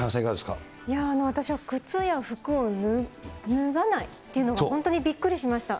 私は靴や服を脱がないっていうのは本当にびっくりしました。